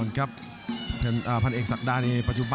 รับทราบบรรดาศักดิ์